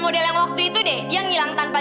lo udah tau kan anaknya yang mana